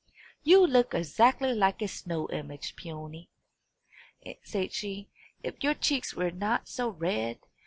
"You look exactly like a snow image, Peony," said she, "if your cheeks were not so red.